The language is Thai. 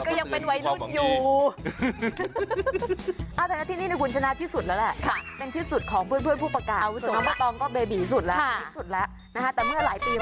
ก็ยังเป็นวัยรุ่นอยู่